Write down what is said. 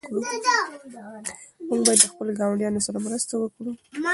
موږ باید له خپلو ګاونډیانو سره مرسته وکړو.